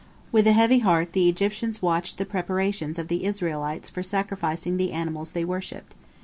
With a heavy heart the Egyptians watched the preparations of the Israelites for sacrificing the animals they worshipped.